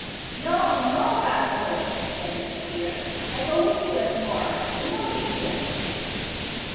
"No! no!! baas Willem," exclaimed the Kaffir. "I go with you and Spoor'em. We no leave you."